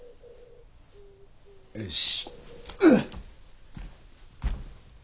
よし！